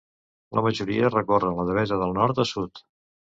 La majoria recorren la devesa del nord a sud.